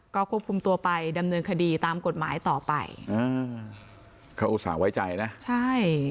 ก็ควบคุมตัวไปดำเนินคดีตามกฎหมายต่อไปอ่าเขาอุตส่าห์ไว้ใจนะใช่